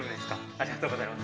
ありがとうございます。